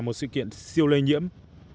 một sự kiện siêu lây nhiễm